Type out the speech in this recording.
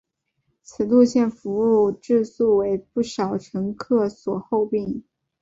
此路线服务质素为不少乘客所诟病。